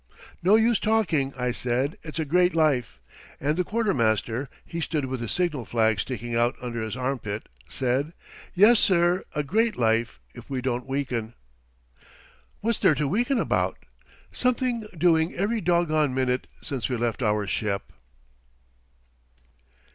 "No use talking," I said, "it's a great life." And the quartermaster he stood with his signal flags sticking out under his armpit said: "Yes, sir, a great life if we don't weaken." "What's there to weaken about? Something doing every doggone minute since we left our ship."